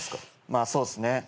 まあそうっすね。